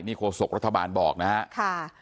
ข้คลสกรัฐบาลบอกนะครับ